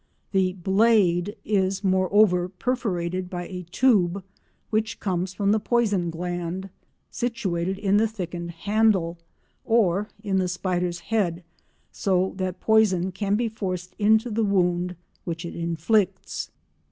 The "blade" is, moreover, perforated by a tube which comes from the poison gland, situated in the thickened "handle," or in the spider's head, so that poison can be forced into the wound which it inflicts.